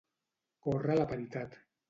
Córrer la paritat.